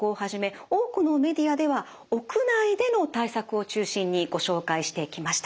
多くのメディアでは屋内での対策を中心にご紹介してきました。